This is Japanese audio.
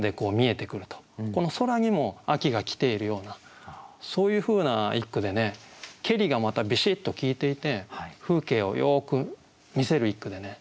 この空にも秋が来ているようなそういうふうな一句でね「けり」がまたビシッと効いていて風景をよく見せる一句でね